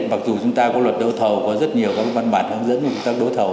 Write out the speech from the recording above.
mặc dù chúng ta có luật đấu thầu có rất nhiều các văn bản hướng dẫn về công tác đấu thầu